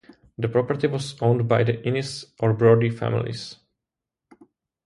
The property was owned by the Innes or Brodie families.